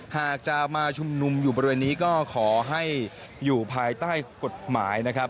หากจะมาชุมนุมอยู่บริเวณนี้ก็ขอให้อยู่ภายใต้กฎหมายนะครับ